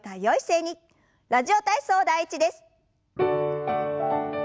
「ラジオ体操第１」です。